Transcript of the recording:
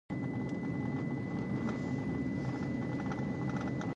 دا پوسټ د ټولو لپاره ګټور دی.